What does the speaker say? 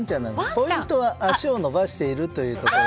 ポイントは足を伸ばしているというところ。